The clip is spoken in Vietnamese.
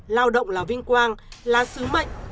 lao động là vinh quang là sứ mệnh